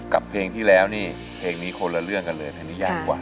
กับเพลงที่แล้วนี่เพลงนี้คนละเรื่องกันเลยเพลงนี้ยากกว่า